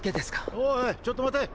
おいおいちょっと待て！